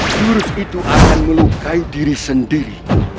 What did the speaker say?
virus itu akan melukai diri sendiri